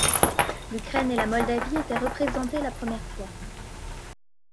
L'Ukraine and la Moldavie étaient représentées la première fois.